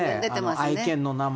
愛犬の名前も。